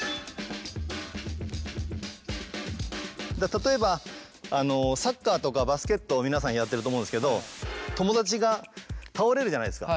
例えばサッカーとかバスケットを皆さんやってると思うんですけど友達が倒れるじゃないですか。